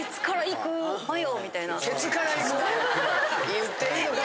言っていいのか？